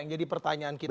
yang jadi pertanyaan kita